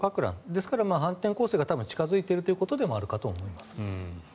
ですから、反転攻勢が近付いているということでもあるかと思います。